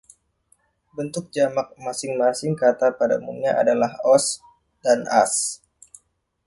Bentuk jamak masing-masing kata pada umumnya adalah “-os” dan “-as”.